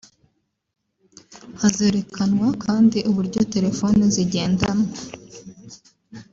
Hazerekanwa kandi uburyo telefoni zigendanwa